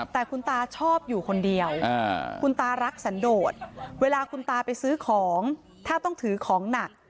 แต่คุณตาชอบอยู่คนเดียวคุณตารักสันโดดเวลาคุณตาไปซื้อของถ้าต้องถือของหนัก